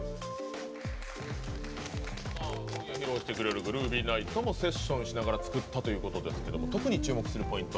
今夜、披露してくれる「Ｇｒｏｏｖｙｎｉｇｈｔ」もセッションしながら作ったということですけども特に注目するポイント